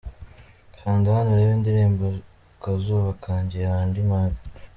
Kanda Hano Urebe indirimbo Kazuba Kanje ya Andy Mwag .